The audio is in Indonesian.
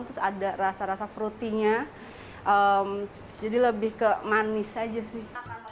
terus ada rasa rasa frutinya jadi lebih ke manis aja sih